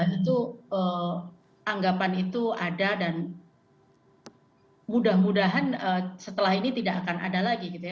itu anggapan itu ada dan mudah mudahan setelah ini tidak akan ada lagi gitu ya